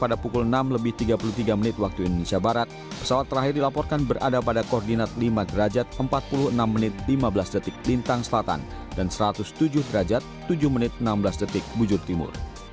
pada pukul enam lebih tiga puluh tiga menit waktu indonesia barat pesawat terakhir dilaporkan berada pada koordinat lima derajat empat puluh enam menit lima belas detik lintang selatan dan satu ratus tujuh derajat tujuh menit enam belas detik bujur timur